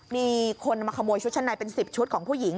มีคนมาขโมยชุดชั้นในเป็น๑๐ชุดของผู้หญิง